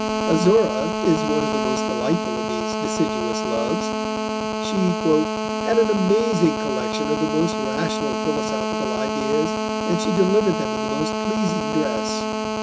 Azora is one of the most delightful of these deciduous loves. She "had an amazing collection of the most rational philosophical ideas, and she delivered them in the most pleasing dress."